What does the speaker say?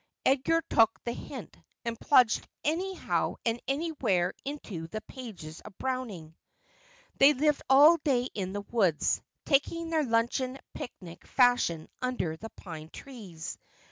Edgar took the hint, and plunged anyhow and anywhere into the pages of Browning. They lived all day in the woods, taking their luncheon picnic fashion under the pine trees.